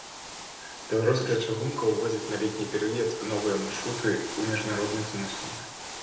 Беларуская чыгунка ўводзіць на летні перыяд новыя маршруты ў міжнародных зносінах.